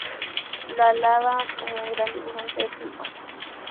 Lo alaba como un gran dibujante de pluma.